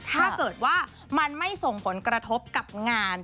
ถ้าเกิดว่ามันไม่ส่งผลกระทบกับงาน